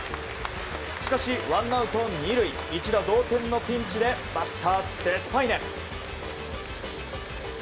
しかし、ワンアウト２塁一打同点のピンチでバッター、デスパイネ。